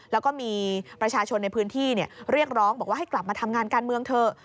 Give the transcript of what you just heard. แล้วก็มีประชาชนในพื้นที่เรียกร้องบอกว่าให้กลับมาทำงานการเมืองเถอะ